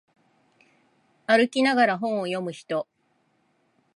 歩きながら本を読む人